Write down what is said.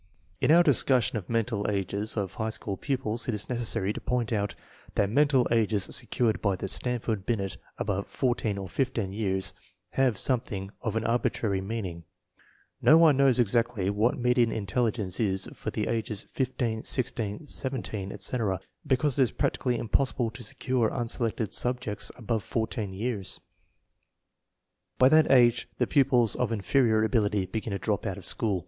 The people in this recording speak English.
In our discussion of mental ages of high school pupils it is necessary to point out that mental ages secured by the Stanford Binet above 14 or 15 years have something of an arbitrary mean ing. No one knows exactly what median intelligence is for the ages 15, 16, 17, etc., because it is prac tically impossible to secure unselected subjects above 14 years. By that age the pupils of inferior ability begin to drop out of school.